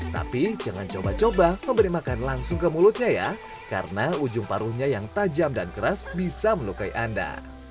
tapi jangan coba coba memberi makan langsung ke mulutnya ya karena ujung paruhnya yang tajam dan keras bisa melukai anda